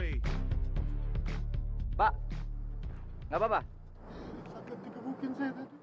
pak saya kasih tau ya pak lain kali kalau butuh duit untuk bayar utang